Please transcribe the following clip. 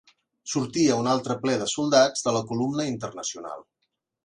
Sortia un altre ple de soldats de la Columna Internacional